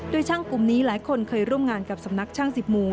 โดยช่างกลุ่มนี้หลายคนเคยร่วมงานกับสำนักช่างสิบหมู่